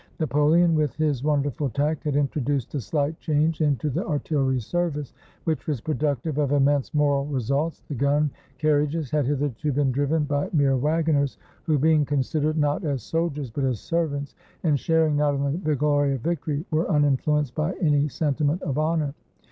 Napoleon, with his wonderful tact, had introduced a slight change into the artillery service, which was pro ductive of immense moral results. The gun carriages had hitherto been driven by mere wagoners, who, being 121 ITALY considered, not as soldiers, but as servants, and sharing not in the glory of victory, were uninfluenced by any sentiment of honor.